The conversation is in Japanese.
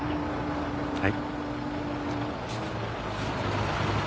はい。